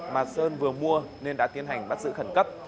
mà sơn vừa mua nên đã tiến hành bắt giữ khẩn cấp